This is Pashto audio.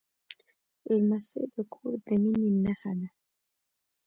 لمسی د کور د مینې نښه ده.